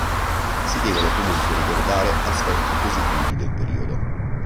Si devono comunque ricordare aspetti positivi del periodo.